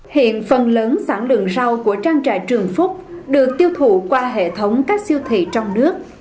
hiện phần lớn sản lượng rau của trang trại trường phúc được tiêu thụ qua hệ thống các siêu thị trong nước